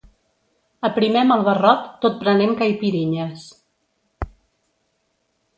Aprimem el barrot tot prenent caipirinhes.